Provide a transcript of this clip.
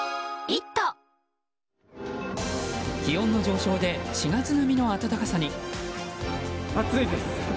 気温の上昇で４月並みの暖かさに。